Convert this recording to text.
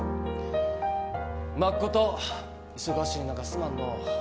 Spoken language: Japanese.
まっこと忙しい中、すまんのう。